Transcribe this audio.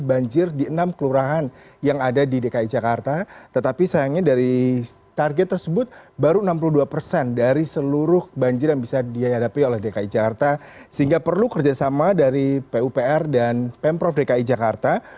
an mendi taangani praskasta